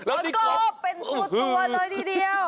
แล้วก็เป็นตัวเลยทีเดียว